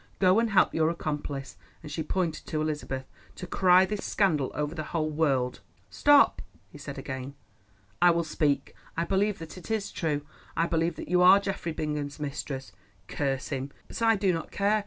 Go and help your accomplice," and she pointed to Elizabeth, "to cry this scandal over the whole world." "Stop," he said again. "I will speak. I believe that it is true. I believe that you are Geoffrey Bingham's mistress, curse him! but I do not care.